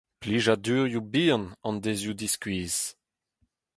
Plijadurioù bihan an deizioù diskuizh.